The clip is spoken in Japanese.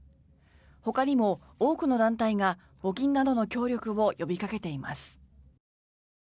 ほかにも多くの団体が募金などの協力を呼びかけています。